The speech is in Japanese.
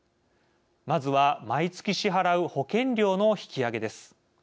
まずは毎月支払う保険料の引き上げです。